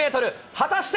果たして？